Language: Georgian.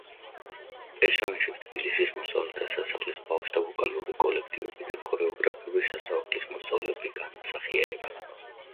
პერსონაჟებს თბილისის მოსწავლეთა სასახლის ბავშვთა ვოკალური კოლექტივები და ქორეოგრაფიული სასწავლებლის მოსწავლეები განასახიერებენ.